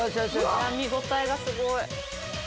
見応えがすごい！